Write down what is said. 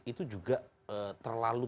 itu juga terlalu